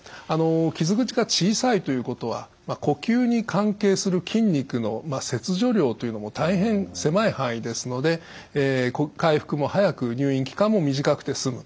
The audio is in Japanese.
傷口が小さいということは呼吸に関係する筋肉の切除量というのも大変狭い範囲ですので回復も早く入院期間も短くて済む。